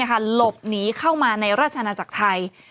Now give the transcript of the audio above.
หลบหนีเข้ามาในราชนาจักรไทย